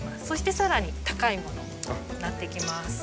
そしてさらに高いものになってきます。